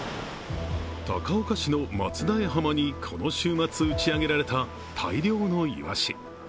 高岡市の松太枝浜にこの週末、打ち上げられた大漁のいわし。